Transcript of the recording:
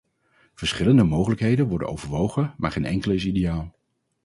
Verschillende mogelijkheden worden overwogen maar geen enkele is ideaal.